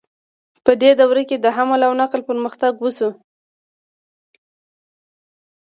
په دې دوره کې د حمل او نقل پرمختګ وشو.